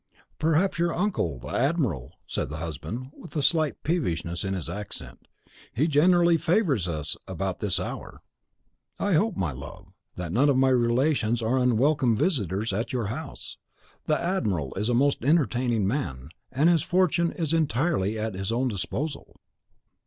"Perhaps your uncle, the admiral," said the husband, with a slight peevishness in his accent. "He generally favours us about this hour." "I hope, my love, that none of my relations are unwelcome visitors at your house. The admiral is a most entertaining man, and his fortune is entirely at his own disposal."